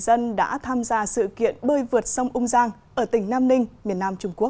những người tham gia sự kiện đã bơi vượt sông ung giang ở tỉnh nam ninh miền nam trung quốc